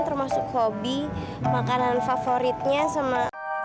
termasuk hobi makanan favoritnya sama